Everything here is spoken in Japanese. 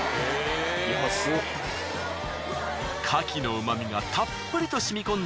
カキの旨みがたっぷりと染み込んだ